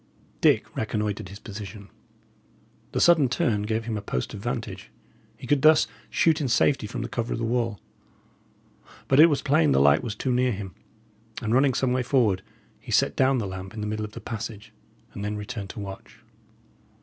Dick reconnoitred his position. The sudden turn gave him a post of vantage. He could thus shoot in safety from the cover of the wall. But it was plain the light was too near him, and, running some way forward, he set down the lamp in the middle of the passage, and then returned to watch.